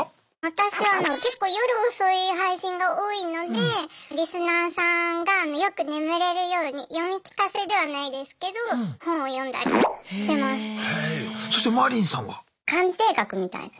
私は結構夜遅い配信が多いのでリスナーさんがよく眠れるように読み聞かせではないですけど本を読んだりしてます。